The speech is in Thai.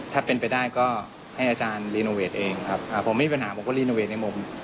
ถ้าเป็นไปได้ก็ให้อาจารย์เองครับอ่าผมไม่มีปัญหาผมก็ในมุม